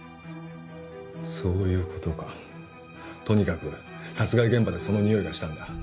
そういうことかとにかく殺害現場でその匂いがしたんだ